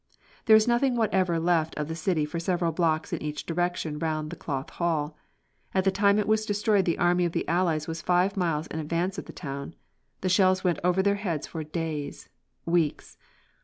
There is nothing whatever left of the city for several blocks in each direction round the Cloth Hall. At the time it was destroyed the army of the Allies was five miles in advance of the town. The shells went over their heads for days, weeks.